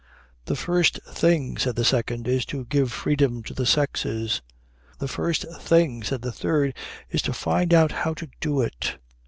"'The first thing,' said the second, 'is to give freedom to the sexes.' "'The first thing,' said the third, 'is to find out how to do it.'